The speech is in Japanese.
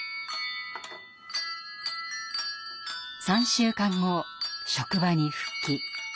３週間後職場に復帰。